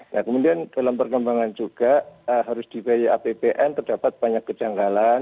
nah kemudian dalam perkembangan juga harus di apbn terdapat banyak kejanggalan